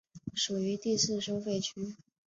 属于第四收费区。